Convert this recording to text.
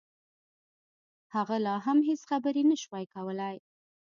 هغه لا هم هېڅ خبرې نشوای کولای